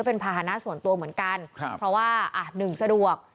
เป็นภาษณะส่วนตัวเหมือนกันครับเพราะว่าอ่ะหนึ่งสะดวก